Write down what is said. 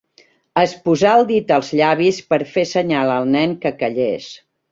Es posà el dit als llavis per fer senyal al nen que callés.